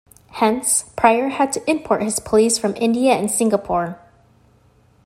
Hence, Pryer had to import his police from India and Singapore.